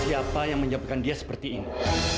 siapa yang menyebabkan dia seperti ini